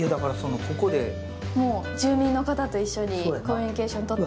住民の方と一緒にコミュニケーションとって。